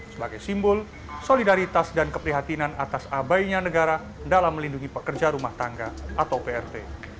sebagai simbol solidaritas dan keprihatinan atas abainya negara dalam melindungi pekerja rumah tangga atau prt